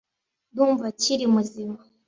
Ndumva akiri muzima.